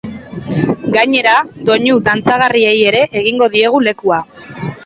Gainera, doinu dantzagarriei ere egingo diegu lekua.